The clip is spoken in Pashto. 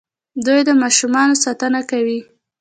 دوی د ماشومانو ساتنه کوي.